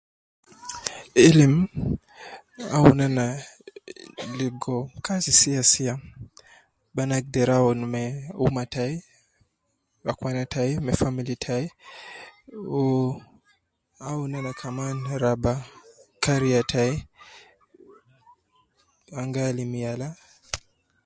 Ilim, awun ana, ligo kazi sia sia, ab ana agder awun me uma tai, akwana tai me family tai, wu ,awun ana kaman raba kariya tai, ana gi alim yala